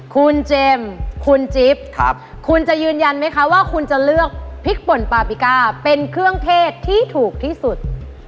คุณเจมส์คุณจิ๊บคุณจะยืนยันไหมคะว่าคุณจะเลือกพริกป่นปาปิก้าเป็นเครื่องเทศที่ถูกที่สุด